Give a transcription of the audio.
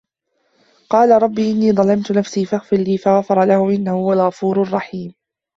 قالَ رَبِّ إِنّي ظَلَمتُ نَفسي فَاغفِر لي فَغَفَرَ لَهُ إِنَّهُ هُوَ الغَفورُ الرَّحيمُ